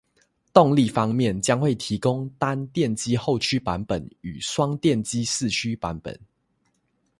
动力方面，将会提供单电机后驱版本与双电机四驱版本